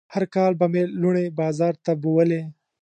هر کال به مې لوڼې بازار ته بوولې.